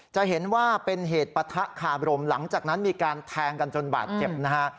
จะเห็นว่าเป็นเหตุปะทะคาบรมหลังจากนั้นมีการแทงกันจนบาดเจ็บนะฮะ